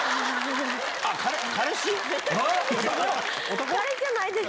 彼氏じゃないです。